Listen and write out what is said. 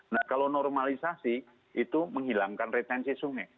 nah kalau normalisasi itu menghilangkan retensi sungai